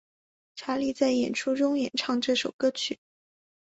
查理在演出中演唱这首歌曲。